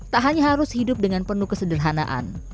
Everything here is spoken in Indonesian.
tak hanya harus hidup dengan penuh kesederhanaan